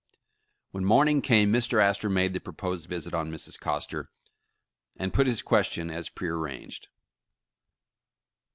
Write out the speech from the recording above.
When morning came Mr. Astor made the proposed visit on Mrs. Coster, and put his question, as prear ranged.